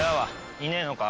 いねえのか？